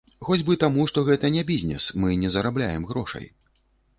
Хоць бы таму, што гэта не бізнес, мы не зарабляем грошай.